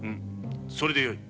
それで良い。